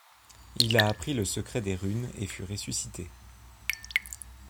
Il y apprit le secret des runes et fut ressuscité.